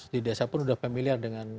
di desa pun sudah familiar dengan